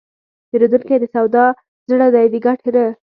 پیرودونکی د سودا زړه دی، د ګټې نه.